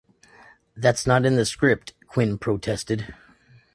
'That's not in the script', Quinn protested.